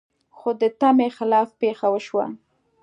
خو د تمې خلاف پېښه وشوه.